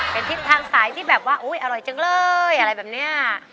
เป็นทิศทางสายที่แบบว่าอุ๊ยอร่อยจังเลยอะไรแบบนี้